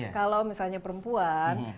kalau misalnya perempuan